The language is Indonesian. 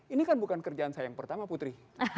ini kan bukan kerjaan saya yang pertama putri